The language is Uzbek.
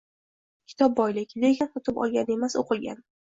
Kitob – boylik. Lekin sotib olgani emas, o’qilgani.